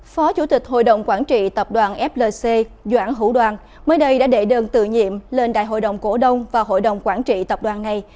phó chủ tịch hội đồng quản trị tập đoàn flc doãn hữu đoàn mới đây đã đệ đơn tự nhiệm lên đại hội đồng cổ đông và hội đồng quản trị tập đoàn này